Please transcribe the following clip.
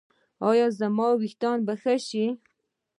ایا زما ویښتان به ښه شي؟